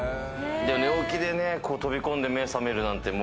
寝起きで飛び込んで目醒めるなんて。